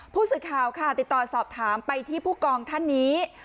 ผู้สื่อข่าวค่ะติดต่อสอบถามไปที่ผู้กองท่านนี้